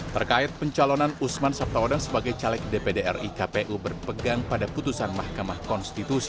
terkait pencalonan osman sabtaodang sebagai caleg dpdr ikpu berpegang pada putusan mahkamah konstitusi